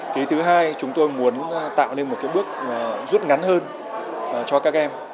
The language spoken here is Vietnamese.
cái thứ hai chúng tôi muốn tạo nên một cái bước rút ngắn hơn cho các em